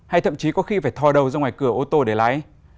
hay thậm chí có khi phải thòi đầu ra ngoài cửa ô tô để lái